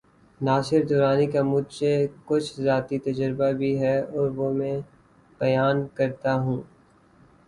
ناصر درانی کا مجھے کچھ ذاتی تجربہ بھی ہے‘ اور وہ میں بیان کرتا ہوں۔